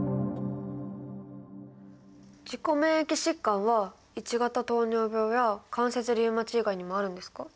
自己免疫疾患は１型糖尿病や関節リウマチ以外にもあるんですか？